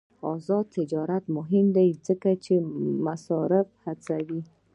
آزاد تجارت مهم دی ځکه چې مصرف هڅوي.